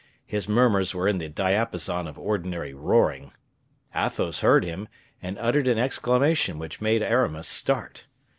His murmurs were in the diapason of ordinary roaring. Athos heard him, and uttered an exclamation which made Aramis start.